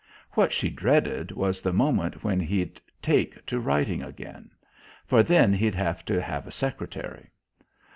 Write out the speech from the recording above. What she dreaded was the moment when he'd "take" to writing again, for then he'd have to have a secretary.